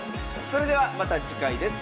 それではまた次回です。